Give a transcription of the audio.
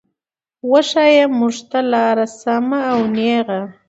وښايه مونږ ته لاره سمه او نېغه